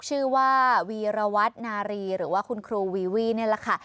ชื่อว่าวีรวัตนารีหรือว่าคุณครูวีวี่นี่แหละค่ะ